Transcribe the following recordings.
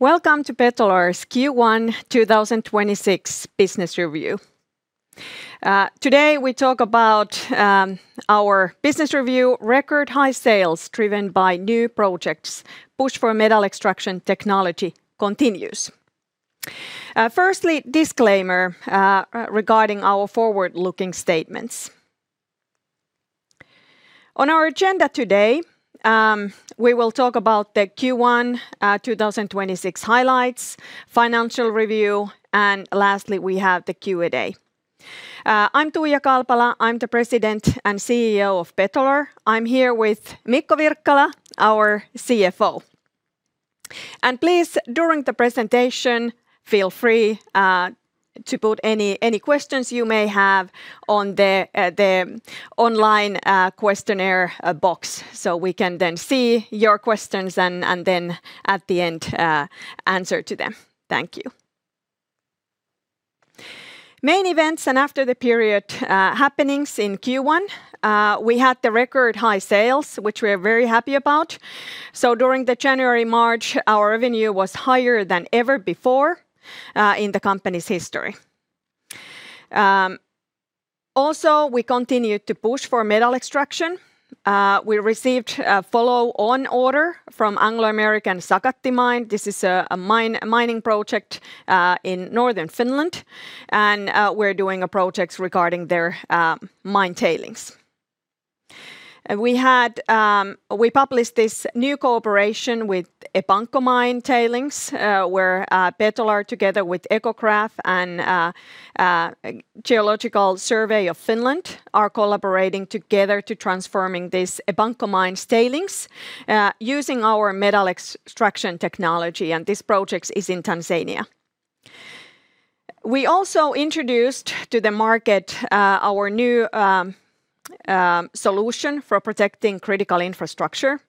Welcome to Betolar's Q1 2026 business review. Today we talk about our business review, record high sales driven by new projects, push for metal extraction technology continues. Firstly, disclaimer regarding our forward-looking statements. On our agenda today, we will talk about the Q1 2026 highlights, financial review, and lastly, we have the Q&A. I'm Tuija Kalpala. I'm the President and CEO of Betolar. I'm here with Mikko Wirkkala, our CFO. Please, during the presentation, feel free to put any questions you may have on the online questionnaire box so we can then see your questions and then at the end answer to them. Thank you. Main events and after the period happenings in Q1, we had the record high sales, which we are very happy about. During the January, March, our revenue was higher than ever before in the company's history. We continued to push for metal extraction. We received a follow-on order from Anglo American Sakatti mine. This is a mining project in northern Finland, and we're doing a project regarding their mine tailings. We published this new cooperation with Epanko mine tailings, where Betolar, together with EcoGraf and Geological Survey of Finland, are collaborating together to transforming this Epanko mine tailings using our metal extraction technology, and this project is in Tanzania. We also introduced to the market our new solution for protecting critical infrastructure.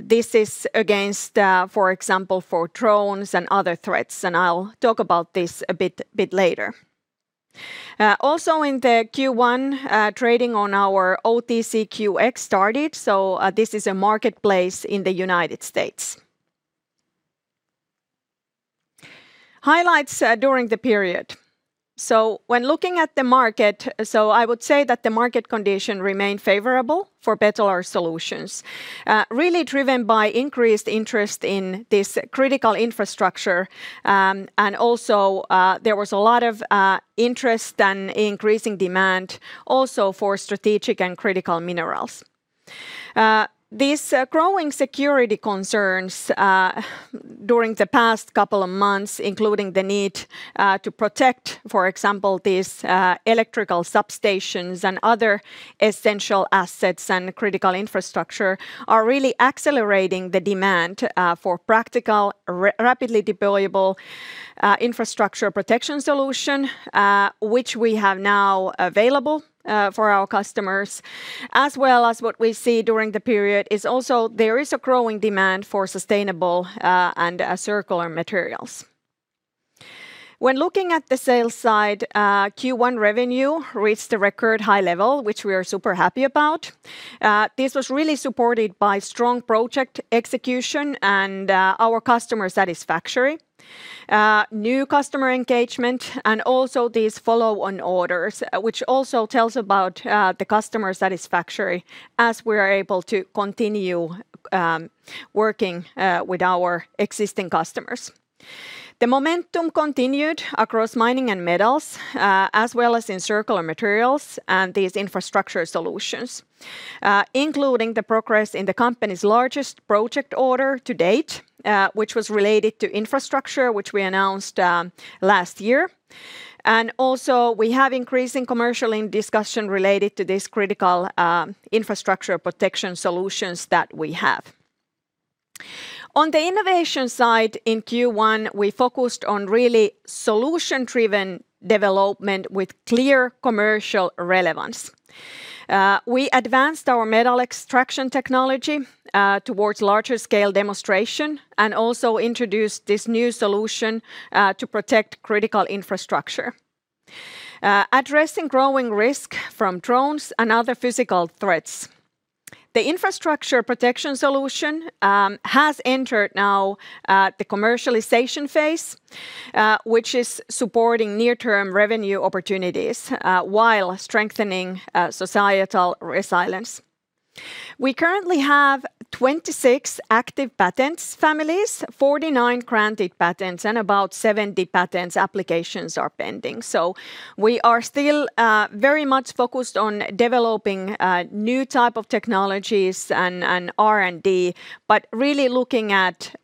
This is against, for example, for drones and other threats, and I'll talk about this a bit later. Also in the Q1, trading on our OTCQX started. This is a marketplace in the United States. Highlights during the period. When looking at the market, so I would say that the market condition remained favorable for Betolar solutions, really driven by increased interest in this critical infrastructure. There was a lot of interest and increasing demand also for strategic and critical minerals. These growing security concerns during the past couple of months, including the need to protect, for example, these electrical substations and other essential assets and critical infrastructure, are really accelerating the demand for practical, rapidly deployable infrastructure protection solution, which we have now available for our customers. As well as what we see during the period is also there is a growing demand for sustainable and circular materials. When looking at the sales side, Q1 revenue reached a record high level, which we are super happy about. This was really supported by strong project execution and our customer satisfaction. New customer engagement and also these follow-on orders, which also tells about the customer satisfaction as we are able to continue working with our existing customers. The momentum continued across mining and metals, as well as in circular materials and these infrastructure solutions, including the progress in the company's largest project order to date, which was related to infrastructure, which we announced last year. Also we have increasing commercial discussions related to this critical infrastructure protection solutions that we have. On the innovation side in Q1, we focused on really solution-driven development with clear commercial relevance. We advanced our metal extraction technology towards larger scale demonstration and also introduced this new solution to protect critical infrastructure, addressing growing risk from drones and other physical threats. The infrastructure protection solution has entered now the commercialization phase, which is supporting near-term revenue opportunities while strengthening societal resilience. We currently have 26 active patent families, 49 granted patents, and about 70 patent applications are pending. We are still very much focused on developing new type of technologies and R&D, but really looking at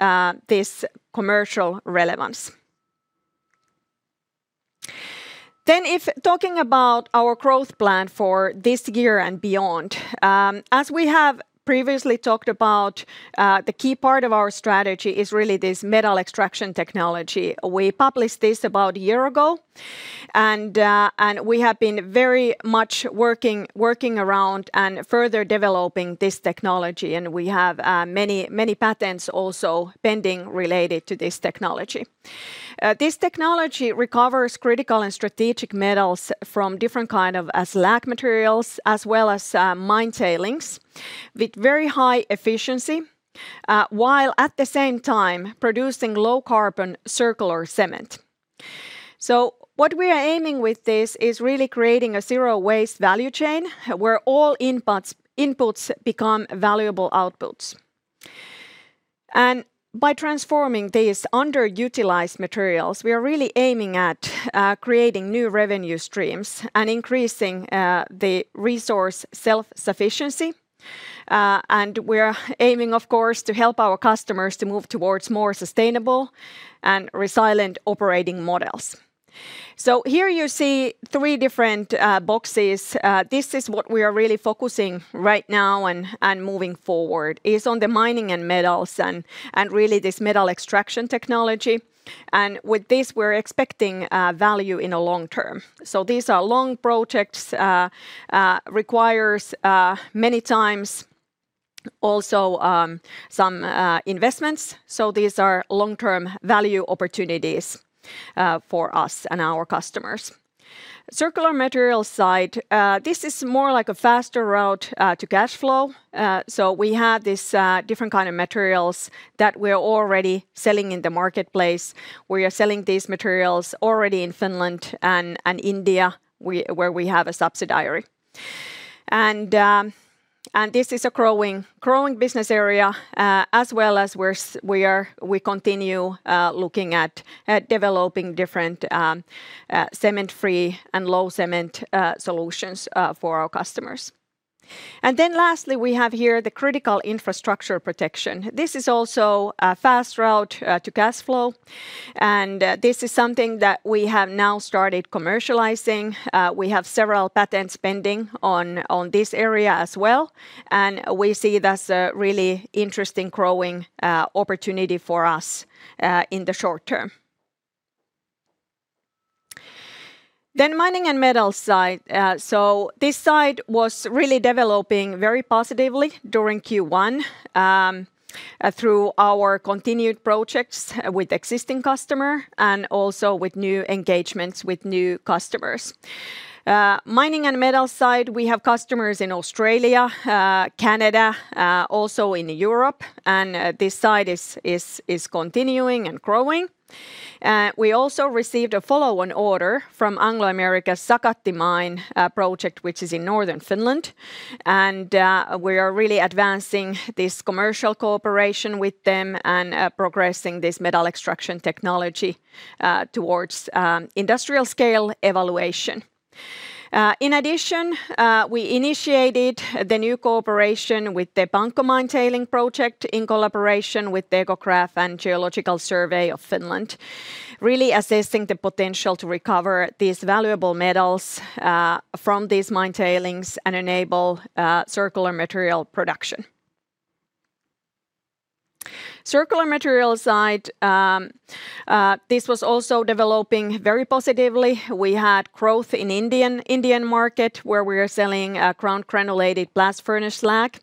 this commercial relevance. If talking about our growth plan for this year and beyond, as we have previously talked about, the key part of our strategy is really this metal extraction technology. We published this about a year ago, and we have been very much working around and further developing this technology, and we have many patents also pending related to this technology. This technology recovers critical and strategic metals from different kind of slag materials, as well as mine tailings, with very high efficiency, while at the same time producing low carbon circular cement. What we are aiming with this is really creating a zero waste value chain, where all inputs become valuable outputs. By transforming these underutilized materials, we are really aiming at creating new revenue streams and increasing the resource self-sufficiency. We're aiming, of course, to help our customers to move towards more sustainable and resilient operating models. Here you see three different boxes. This is what we are really focusing right now and moving forward is on the mining and metals and really this metal extraction technology. With this, we're expecting value in a long-term. These are long projects, requires many times also some investments. These are long-term value opportunities for us and our customers. Circular material side, this is more like a faster route to cash flow. We have this different kind of materials that we are already selling in the marketplace, where we are selling these materials already in Finland and India, where we have a subsidiary. This is a growing business area, as well as we continue looking at developing different cement-free and low-cement solutions for our customers. Lastly, we have here the critical infrastructure protection. This is also a fast route to cash flow, and this is something that we have now started commercializing. We have several patents pending on this area as well, and we see that's a really interesting growing opportunity for us in the short term. Mining and metals side. This side was really developing very positively during Q1 through our continued projects with existing customers and also with new engagements with new customers. Mining and metal side, we have customers in Australia, Canada, also in Europe. This side is continuing and growing. We also received a follow-on order from Anglo American's Sakatti mine project, which is in northern Finland. We are really advancing this commercial cooperation with them and progressing this metal extraction technology towards industrial scale evaluation. In addition, we initiated the new cooperation with the Epanko mine tailing project in collaboration with EcoGraf and Geological Survey of Finland, really assessing the potential to recover these valuable metals from these mine tailings and enable circular material production. Circular material side, this was also developing very positively. We had growth in Indian market, where we are selling ground granulated blast furnace slag.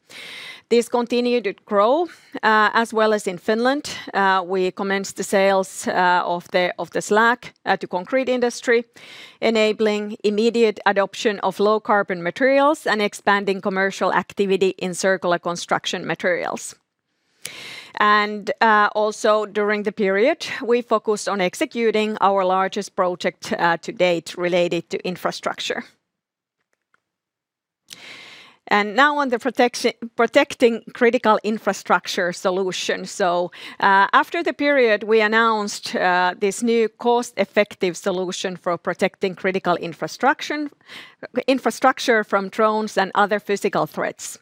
This continued to grow, as well as in Finland. We commenced the sales of the slag to concrete industry, enabling immediate adoption of low carbon materials and expanding commercial activity in circular construction materials. Also during the period, we focused on executing our largest project to date related to infrastructure now on the protecting critical infrastructure solution. After the period, we announced this new cost-effective solution for protecting critical infrastructure from drones and other physical threats.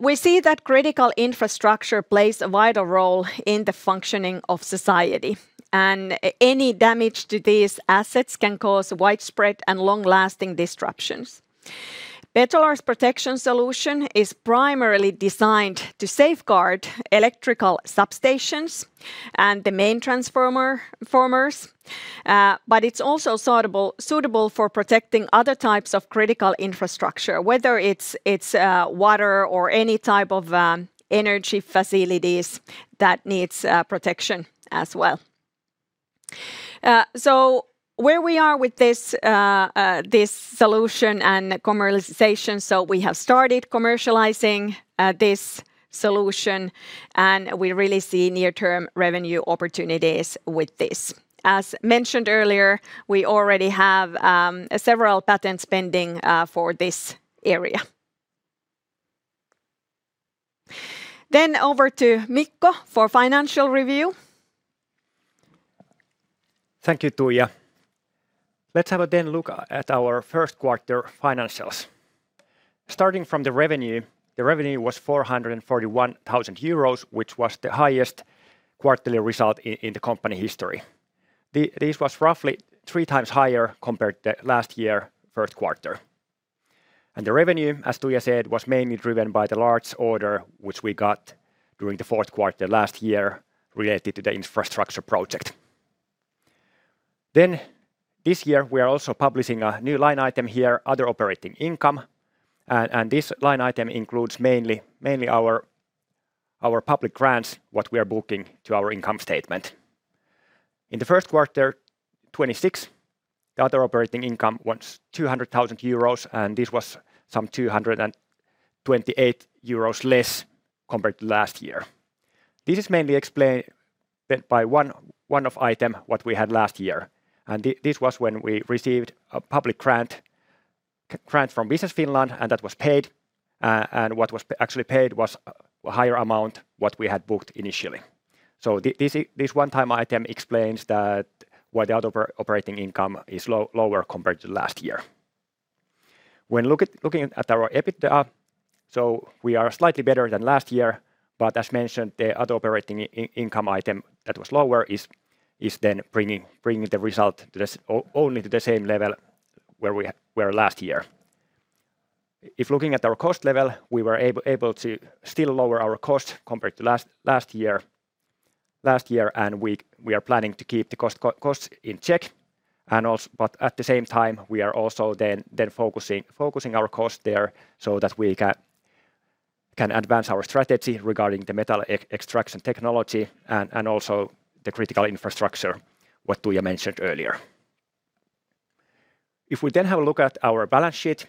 We see that critical infrastructure plays a vital role in the functioning of society, and any damage to these assets can cause widespread and long-lasting disruptions. Betolar's protection solution is primarily designed to safeguard electrical substations and the main transformers, but it's also suitable for protecting other types of critical infrastructure, whether it's water or any type of energy facilities that needs protection as well. Where we are with this solution and commercialization. We have started commercializing this solution, and we really see near-term revenue opportunities with this. As mentioned earlier, we already have several patents pending for this area. Over to Mikko for financial review. Thank you, Tuija. Let's then have a look at our first quarter financials. Starting from the revenue, the revenue was 441,000 euros, which was the highest quarterly result in the company history. This was roughly three times higher compared to last year first quarter. The revenue, as Tuija said, was mainly driven by the large order, which we got during the fourth quarter last year related to the infrastructure project. This year we are also publishing a new line item here, other operating income, and this line item includes mainly our public grants, what we are booking to our income statement. In the first quarter 2026, the other operating income was 200,000 euros, and this was some 228 euros less compared to last year. This is mainly explained by one-off item that we had last year, and this was when we received a public grant from Business Finland, and that was paid. What was actually paid was a higher amount that we had booked initially. This one-time item explains why the other operating income is lower compared to last year. When looking at our EBITDA, so we are slightly better than last year, but as mentioned, the other operating income item that was lower is then bringing the result only to the same level where we were last year. If looking at our cost level, we were able to still lower our cost compared to last year, and we are planning to keep the costs in check, but at the same time, we are also then focusing our costs there so that we can advance our strategy regarding the metal extraction technology and also the critical infrastructure what Tuija mentioned earlier. If we then have a look at our balance sheet,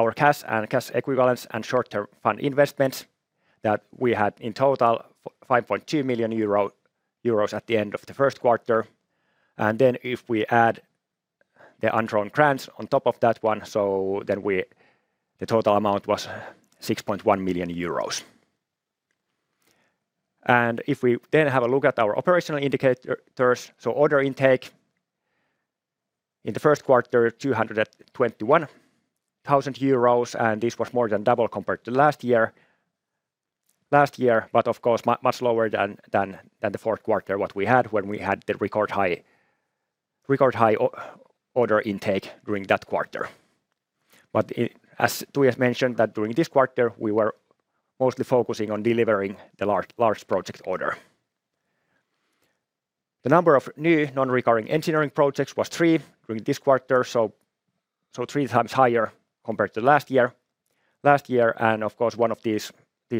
our cash and cash equivalents and short-term fund investments, that we had in total 5.2 million euro at the end of the first quarter. Then if we add the undrawn grants on top of that one, so then the total amount was 6.1 million euros. If we then have a look at our operational indicators, so order intake. In the first quarter, 221,000 euros, and this was more than double compared to last year, but of course, much lower than the fourth quarter that we had when we had the record high order intake during that quarter. As Tuija mentioned, that during this quarter, we were mostly focusing on delivering the large project order. The number of new non-recurring engineering projects was three during this quarter, so three times higher compared to last year. Of course, one of these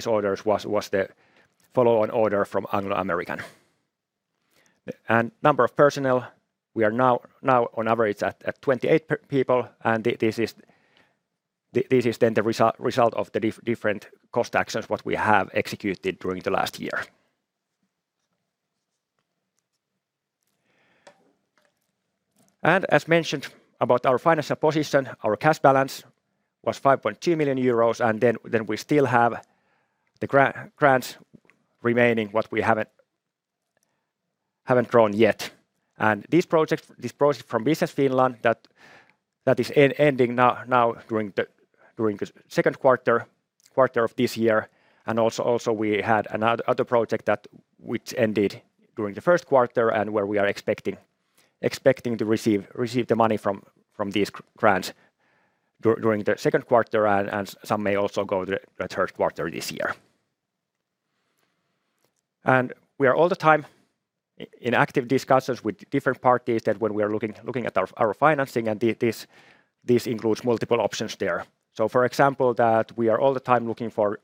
orders was the follow-on order from Anglo American. Number of personnel, we are now on average at 28 people, and this is then the result of the different cost actions that we have executed during the last year. As mentioned about our financial position, our cash balance was 5.2 million euros, and then we still have the grants remaining that we haven't drawn yet. This project from Business Finland, that is ending now during the second quarter of this year, and also we had another project which ended during the first quarter and where we are expecting to receive the money from these grants during the second quarter, and some may also go to the third quarter this year. We are all the time in active discussions with different parties that when we are looking at our financing, and this includes multiple options there. For example, that we are all the time looking for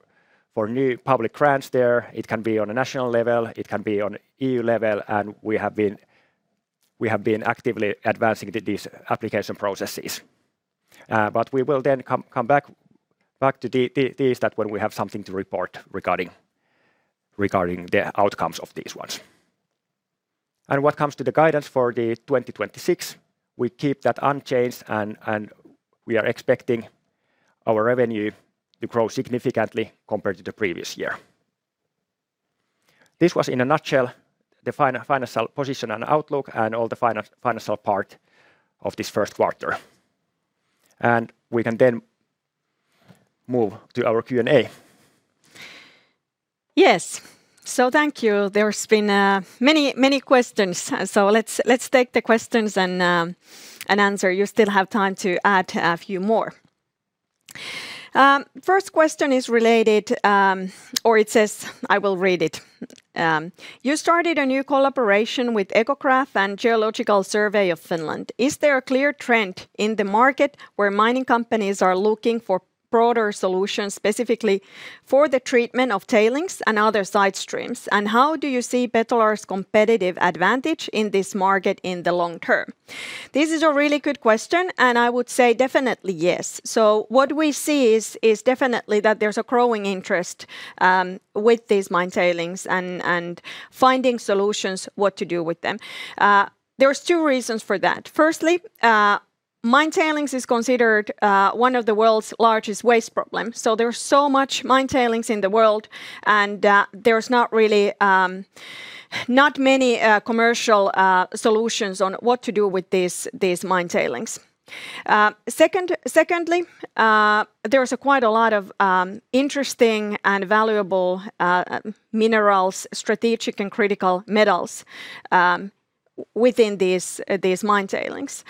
new public grants there. It can be on a national level, it can be on EU level, and we have been actively advancing these application processes. We will then come back to these that when we have something to report regarding the outcomes of these ones. What comes to the guidance for 2026, we keep that unchanged, and we are expecting our revenue to grow significantly compared to the previous year. This was, in a nutshell, the financial position and outlook and all the financial part of this first quarter. We can then move to our Q&A. Yes. Thank you. There's been many questions, so let's take the questions and answer. You still have time to add a few more. First question is related, or it says. I will read it. "You started a new collaboration with EcoGraf and Geological Survey of Finland. Is there a clear trend in the market where mining companies are looking for broader solutions, specifically for the treatment of tailings and other side streams? And how do you see Betolar's competitive advantage in this market in the long term?" This is a really good question, and I would say definitely yes. What we see is definitely that there's a growing interest with these mine tailings and finding solutions what to do with them. There's two reasons for that. Firstly, mine tailings is considered one of the world's largest waste problems. There's so much mine tailings in the world, and there's not many commercial solutions on what to do with these mine tailings. Secondly, there is quite a lot of interesting and valuable minerals, strategic and critical metals within these mine tailings.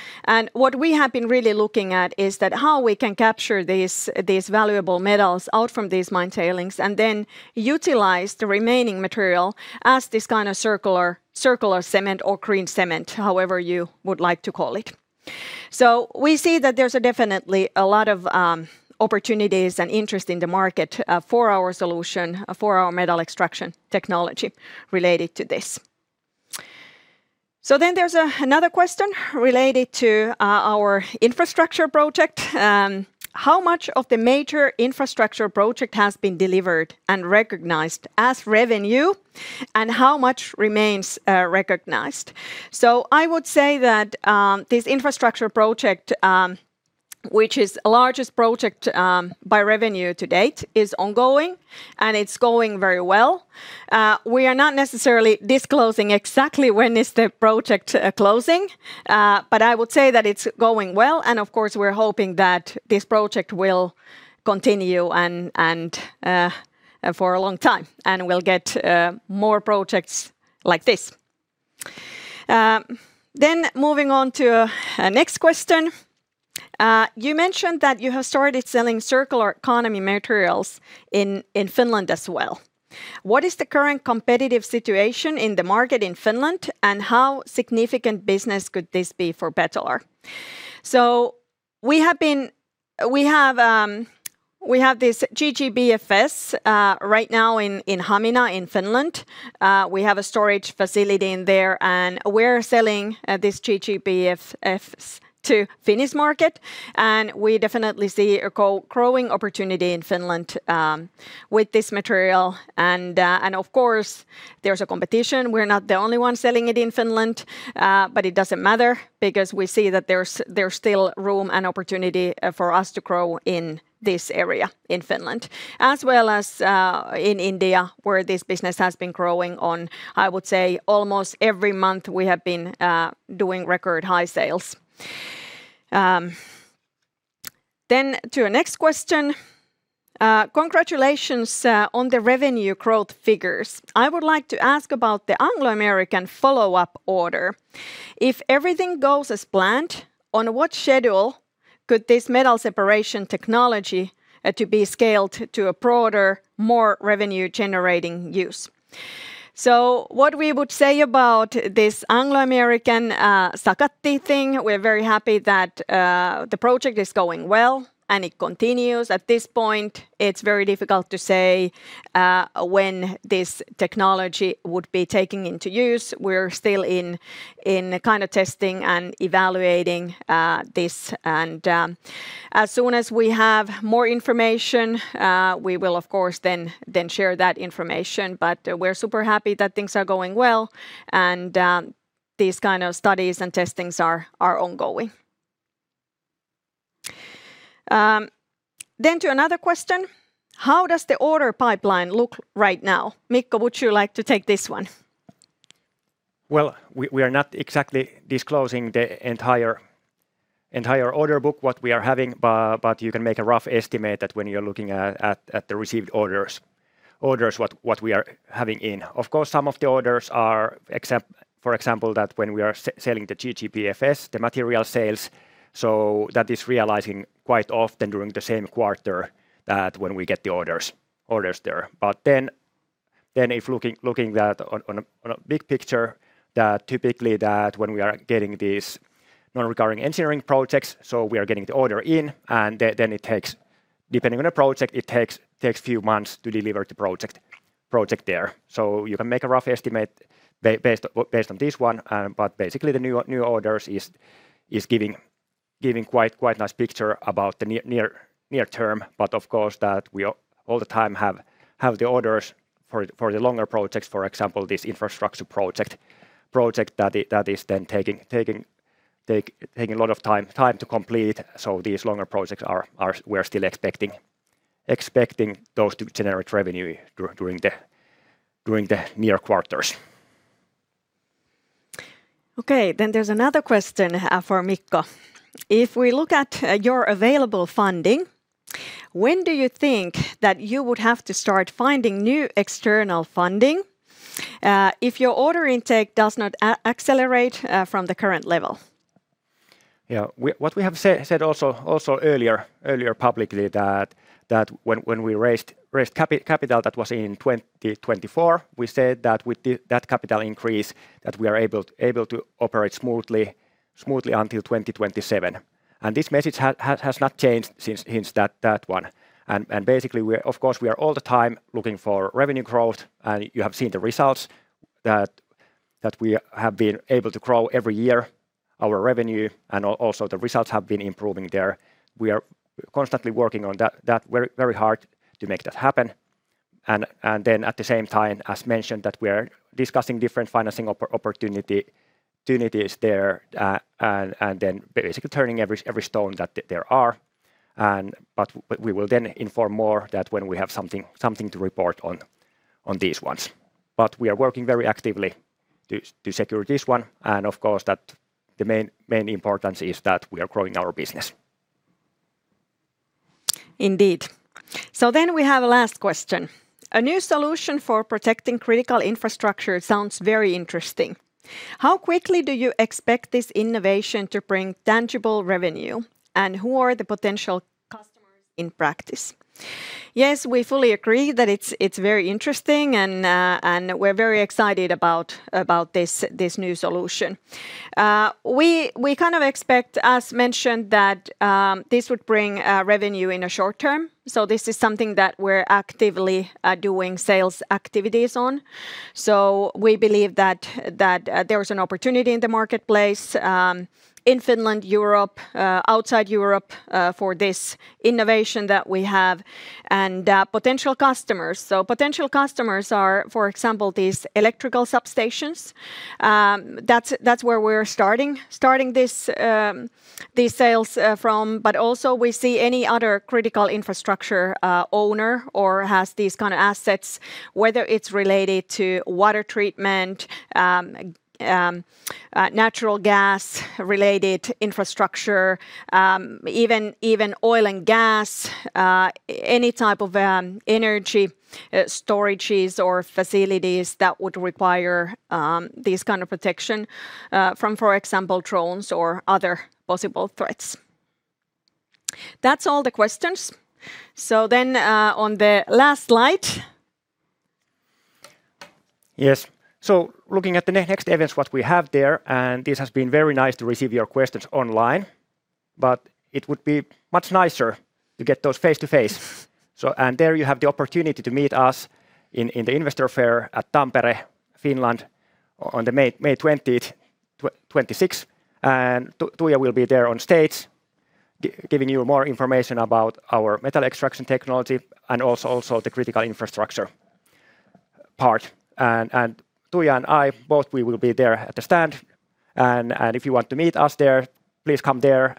What we have been really looking at is that how we can capture these valuable metals out from these mine tailings and then utilize the remaining material as this kind of circular cement or green cement, however you would like to call it. We see that there's definitely a lot of opportunities and interest in the market for our solution, for our metal extraction technology related to this. There's another question related to our infrastructure project. How much of the major infrastructure project has been delivered and recognized as revenue, and how much remains recognized?" I would say that this infrastructure project, which is the largest project by revenue to date, is ongoing, and it's going very well. We are not necessarily disclosing exactly when the project is closing, but I would say that it's going well, and of course, we're hoping that this project will continue for a long time, and we'll get more projects like this. Moving on to the next question. "You mentioned that you have started selling circular economy materials in Finland as well. What is the current competitive situation in the market in Finland, and how significant business could this be for Betolar?" We have this GGBFS right now in Hamina, in Finland. We have a storage facility there, and we're selling this GGBFS to the Finnish market. We definitely see a growing opportunity in Finland with this material. Of course, there's competition. We're not the only ones selling it in Finland, but it doesn't matter because we see that there's still room and opportunity for us to grow in this area in Finland, as well as in India, where this business has been growing. I would say almost every month we have been doing record high sales. To the next question. "Congratulations on the revenue growth figures. I would like to ask about the Anglo American follow-up order. If everything goes as planned, on what schedule could this metal extraction technology be scaled to a broader, more revenue-generating use?" What we would say about this Anglo American Sakatti thing, we're very happy that the project is going well and it continues. At this point, it's very difficult to say when this technology would be taken into use. We're still in testing and evaluating this, and as soon as we have more information, we will of course then share that information. We're super happy that things are going well and these kinds of studies and testings are ongoing. To another question. "How does the order pipeline look right now?" Mikko, would you like to take this one? Well, we are not exactly disclosing the entire order book, what we are having, but you can make a rough estimate that when you're looking at the received orders, what we are having in. Of course, some of the orders are, for example, when we are selling the GGBFS, the material sales, so that is realizing quite often during the same quarter that when we get the orders there. If looking at it on a big picture, typically when we are getting these non-recurring engineering projects, so we are getting the order in, and then it takes, depending on the project, a few months to deliver the project there. You can make a rough estimate based on this one, but basically the new orders are giving quite a nice picture about the near term, but of course, we all the time have the orders for the longer projects. For example, this infrastructure project that is then taking a lot of time to complete. These longer projects, we are still expecting those to generate revenue during the near quarters. Okay. There's another question for Mikko. "If we look at your available funding, when do you think that you would have to start finding new external funding if your order intake does not accelerate from the current level? Yeah. What we have said also earlier publicly, that when we raised capital, that was in 2024, we said that with that capital increase, that we are able to operate smoothly until 2027. This message has not changed since that one. Basically, of course, we are all the time looking for revenue growth, and you have seen the results, that we have been able to grow our revenue every year, and also the results have been improving there. We are constantly working very hard on that to make that happen. At the same time, as mentioned, that we are discussing different financing opportunities there, and then basically turning every stone that there are. We will then inform more when we have something to report on these ones. We are working very actively to secure this one, and of course, the main importance is that we are growing our business. Indeed. We have a last question. "A new solution for protecting critical infrastructure sounds very interesting. How quickly do you expect this innovation to bring tangible revenue, and who are the potential customers?" In practice, yes, we fully agree that it's very interesting, and we're very excited about this new solution. We kind of expect, as mentioned, that this would bring revenue in a short term. This is something that we're actively doing sales activities on. We believe that there is an opportunity in the marketplace, in Finland, Europe, outside Europe, for this innovation that we have and potential customers. Potential customers are, for example, these electrical substations. That's where we're starting these sales from. Also we see any other critical infrastructure owner who has these kind of assets, whether it's related to water treatment, natural gas-related infrastructure, even oil and gas, any type of energy storage or facilities that would require this kind of protection from, for example, drones or other possible threats. That's all the questions. On the last slide. Yes. Looking at the next events, what we have there, and this has been very nice to receive your questions online, but it would be much nicer to get those face-to-face. There you have the opportunity to meet us in the investor fair at Tampere, Finland on May 26th, and Tuija will be there on stage giving you more information about our metal extraction technology and also the critical infrastructure part. Tuija and I, both we will be there at the stand, and if you want to meet us there, please come there.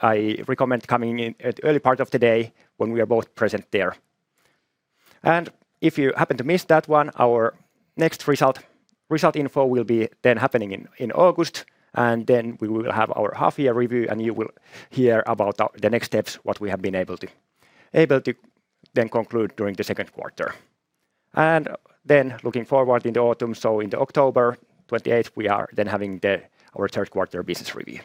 I recommend coming in at the early part of the day when we are both present there. If you happen to miss that one, our next result info will be then happening in August, and then we will have our half-year review, and you will hear about the next steps, what we have been able to then conclude during the second quarter. Then looking forward in the autumn, so in the October 28th, we are then having our third quarter business review.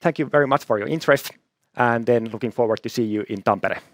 Thank you very much for your interest and then looking forward to see you in Tampere.